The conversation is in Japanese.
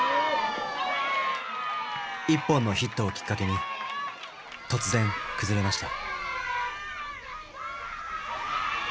１本のヒットをきっかけに突然崩れました。